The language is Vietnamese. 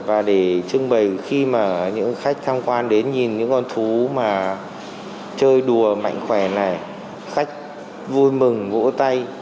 và để trưng bày khi mà những khách tham quan đến nhìn những con thú mà chơi đùa mạnh khỏe này khách vui mừng gỗ tay